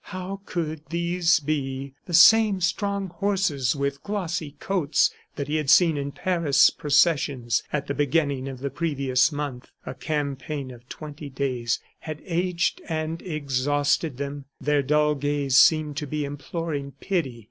How could these be the same strong horses with glossy coats that he had seen in the Paris processions at the beginning of the previous month? A campaign of twenty days had aged and exhausted them; their dull gaze seemed to be imploring pity.